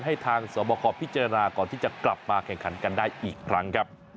ให้ทางสวบคพิจารณาก่อนที่จะกลับมาแข่งขันกันได้อีกครั้งครับ